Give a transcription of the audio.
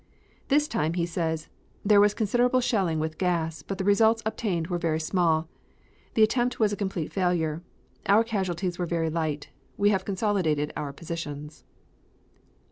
This time he says: "there was considerable shelling with gas, but the results obtained were very small. The attempt was a complete failure. Our casualties were very light. We have consolidated our positions."